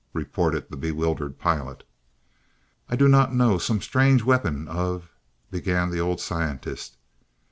reported the bewildered pilot. "I do not know some strange weapon of " began the old scientist.